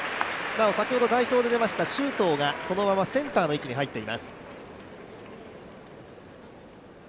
なお、先ほど代走で出ました周東がそのままセンターの位置に入っています。